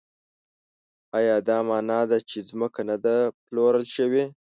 ایا دا مانا ده چې ځمکه نه ده پلورل شوې؟